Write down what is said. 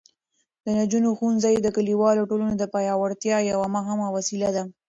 د نجونو ښوونځي د کلیوالو ټولنو د پیاوړتیا یوه مهمه وسیله ده.